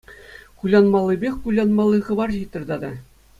Кулянмаллипех кулянмалли хыпар ҫитрӗ тата.